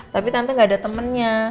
tapi tante gak ada temennya